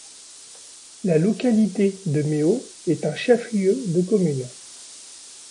La localité de Méo est un chef-lieu de commune.